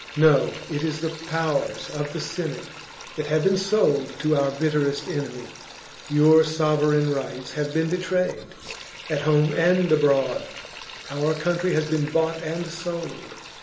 No; it is the powers of the Senate that have been sold to our bitterest enemy; your sovereign rights have been betrayed, at home and abroad ; our country has been bought and sold.